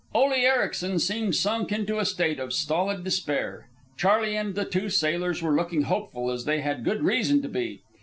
Ole Ericsen seemed sunk into a state of stolid despair. Charley and the two sailors were looking hopeful, as they had good reason to be.